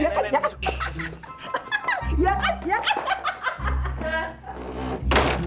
iya kan iya kan